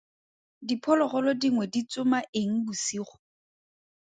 Diphologolo dingwe di tsoma eng bosigo?